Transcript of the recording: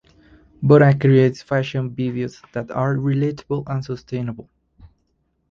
Borah creates fashion videos that are relatable and sustainable.